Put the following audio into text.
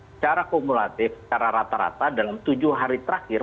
secara kumulatif secara rata rata dalam tujuh hari terakhir